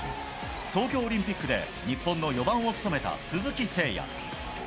東京オリンピックで日本の４番を務めた鈴木誠也。